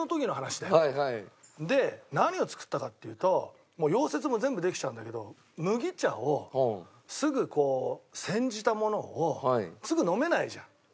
で何を作ったかっていうともう溶接も全部できちゃうんだけど麦茶をすぐこう煎じたものをすぐ飲めないじゃん。